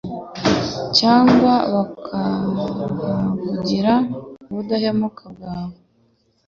cyangwa bakahavugira ubudahemuka bwawe?